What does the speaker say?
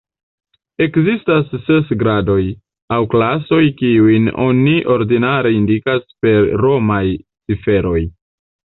Ekzistas ses gradoj, aŭ klasoj, kiujn oni ordinare indikas per romaj ciferoj.